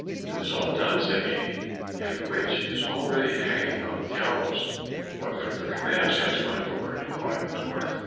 "It is all done," said he, "and the witch is already hanging on the gallows. What further commands has my lord?" inquired the dwarf.